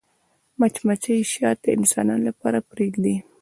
مچمچۍ شات د انسانانو لپاره پرېږدي